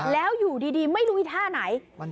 แล้วอยู่ดีไม่รู้อีท่าไหน